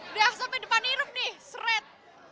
udah sampai depan irup nih seret